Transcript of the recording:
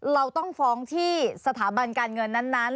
เราต้องฟ้องที่สถาบันการเงินนั้น